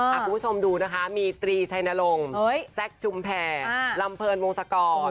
คุณผู้ชมดูนะคะมีตรีชัยนรงค์แซคชุมแพรลำเพลินวงศกร